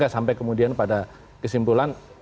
sampai kemudian pada kesimpulan